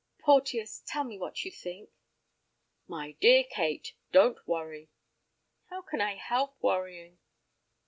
"Porteus, tell me what you think." "My dear Kate, don't worry." "How can I help worrying?"